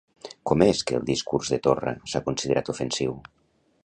Com és que el discurs de Torra s'ha considerat ofensiu?